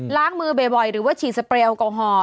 ล้างมือเบบ่อยหรือว่าฉีดสเปรียลกองห่อ